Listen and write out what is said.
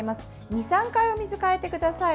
２３回、お水変えてください。